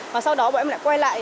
và sau đó bọn em lại quay lại